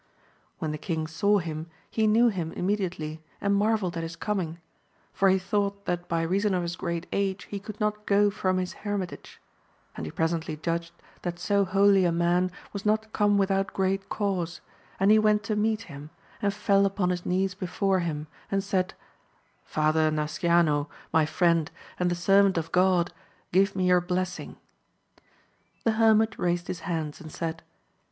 When the king saw him he knew him immediately, and marvelled at his coming ; for he thought that by reason of his great age he could 204 AMADIS OF GAUL. not go from his hermitage ; and he presently judged, that so holy a man was not come without great cause; and he went to meet him, and fell upon his knees before him, and said, Father Nasciano, my friend, and the servant of God, give me your bless ing! The hermit raised his hands, and said.